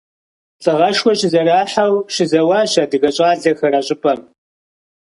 Лӏыгъэшхуэ щызэрахьэу щызэуащ адыгэ щӏалэхэр а щӏыпӏэм.